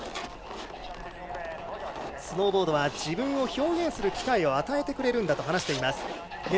スノーボードは自分を表現する機会を与えてくれるんだと話しています。